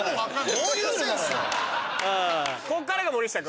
こっからが森下君？